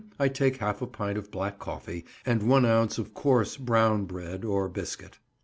—I take half a pint of black coffee and one ounce of coarse brown bread or biscuit.